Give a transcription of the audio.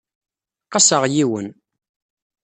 Qaseɣ yiwen.